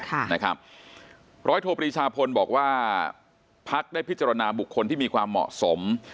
ค่ะนะครับร้อยโทปรีชาพลบอกว่าพักได้พิจารณาบุคคลที่มีความเหมาะสม